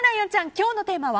今日のテーマは？